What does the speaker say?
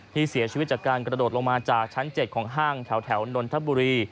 ที่เสียชีวิตจากการกระโดดลงมาจากชั้น๗ของห้างแถวนนทบุรี